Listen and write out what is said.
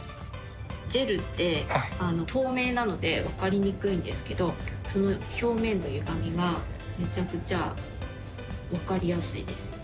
ジェルって透明なので分かりにくいんですけど、表面のゆがみがめちゃくちゃ分かりやすいです。